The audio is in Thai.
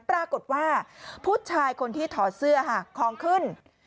ปรากฏว่าผู้ชายคนที่ถอดเสื้อของขึ้น